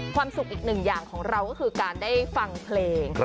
ความสุขอีกหนึ่งอย่างของเราก็คือการได้ฟังเพลง